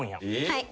はい。